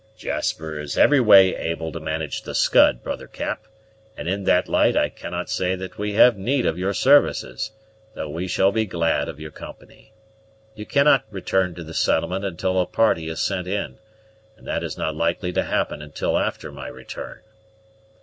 "Jasper is every way able to manage the Scud, brother Cap; and in that light I cannot say that we have need of your services, though we shall be glad of your company. You cannot return to the settlement until a party is sent in, and that is not likely to happen until after my return.